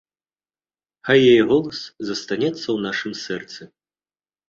Хай яе голас застанецца ў нашым сэрцы.